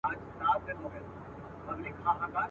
کښتۍ هم ورڅخه ولاړه پر خپل لوري.